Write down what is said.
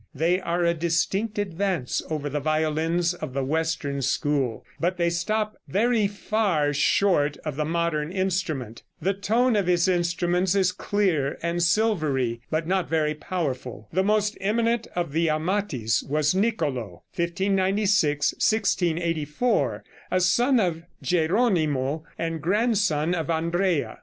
They are a distinct advance over the violins of the western school, but they stop very far short of the modern instrument. The tone of his instruments is clear and silvery, but not very powerful. The most eminent of the Amatis was Nicolo, 1596 1684, a son of Geronimo and grandson of Andrea.